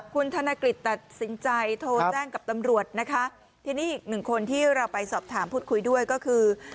คุณธนกฤษตัดสินใจโทรแจ้งกับตำรวจนะคะทีนี้อีกหนึ่งคนที่เราไปสอบถามพูดคุยด้วยก็คือ